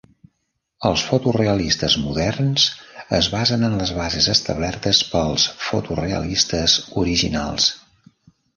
Els fotorealistes moderns es basen en les bases establertes pels fotorealistes originals.